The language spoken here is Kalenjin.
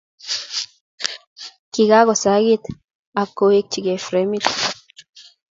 Kikakosakiit ak koweechkei fremit.